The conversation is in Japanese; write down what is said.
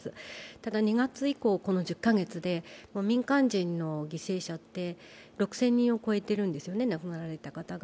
ただ、２月以降、この１０か月で民間人の犠牲者って６０００人を超えているんですね、亡くなられた方が。